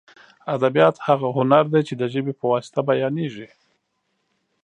ادبیات هغه هنر دی چې د ژبې په واسطه بیانېږي.